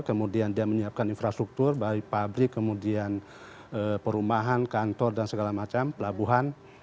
kemudian dia menyiapkan infrastruktur baik pabrik kemudian perumahan kantor dan segala macam pelabuhan